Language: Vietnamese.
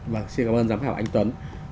vâng xin cảm ơn giám khảo anh tuấn